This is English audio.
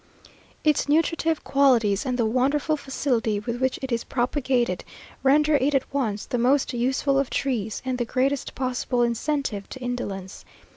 Its nutritive qualities, and the wonderful facility with which it is propagated, render it at once the most useful of trees, and the greatest possible incentive to indolence.